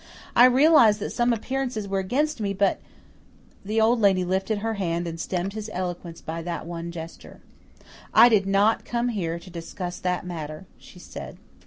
I realize that some appearances were against me, but " The Old Lady lifted her hand and stemmed his eloquence by that one gesture. "I did not come here to discuss that matter," she said.